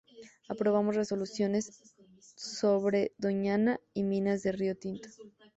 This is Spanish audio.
aprobamos resoluciones sobre Doñana y minas de río Tinto